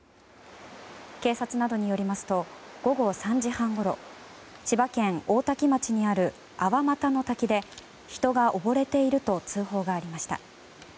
警察などによりますと午後３時半ごろ千葉県大多喜町にある粟又の滝で人が溺れていると通報がありました。